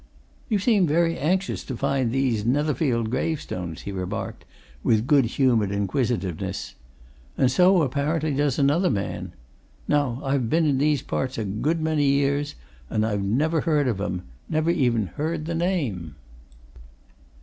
"You seem very anxious to find these Netherfield gravestones," he remarked, with good humoured inquisitiveness. "And so, apparently, does another man. Now, I've been in these parts a good many years, and I've never heard of 'em; never even heard the name."